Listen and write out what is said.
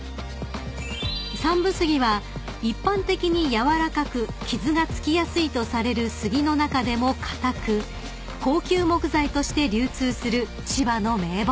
［山武杉は一般的に軟らかく傷が付きやすいとされる杉の中でも硬く高級木材として流通する千葉の銘木です］